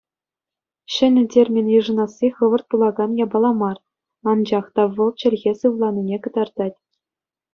Ҫӗнӗ термин йышӑнасси хӑвӑрт пулакан япала мар, анчах та вӑл чӗлхе сывланине кӑтартать.